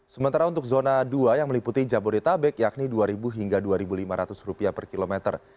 sementara untuk zona dua yang meliputi jabodetabek yakni rp dua hingga rp dua lima ratus per kilometer